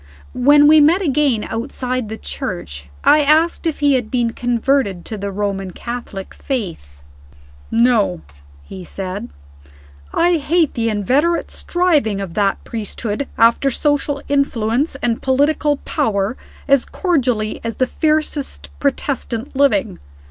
When we met again outside the church, I asked if he had been converted to the Roman Catholic faith. "No," he said. "I hate the inveterate striving of that priesthood after social influence and political power as cordially as the fiercest Protestant living.